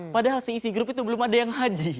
padahal seisi grup itu belum ada yang haji